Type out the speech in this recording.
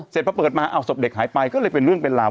เสร็จพอเปิดมาอ้าวศพเด็กหายไปก็เลยเป็นเรื่องเป็นราว